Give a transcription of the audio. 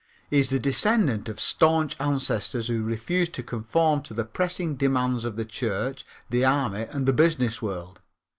He is the descendant of staunch ancestors who refused to conform to the pressing demands of the church, the army and the business world.